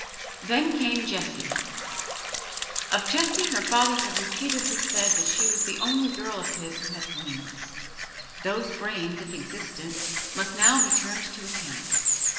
Then came Jessie. Of Jessie her father had repeatedly said that she was the only girl of his who had brains; those brains, if existent, must now be turned to account.